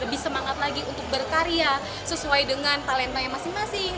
lebih semangat lagi untuk berkarya sesuai dengan talentanya masing masing